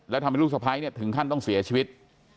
แล้วทำให้ลูกสะพ้ายเนี่ยถึงขั้นต้องเสียชีวิต